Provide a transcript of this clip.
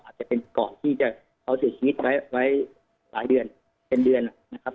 อาจจะเป็นก่อนที่จะเขาเสียชีวิตไว้หลายเดือนเป็นเดือนนะครับ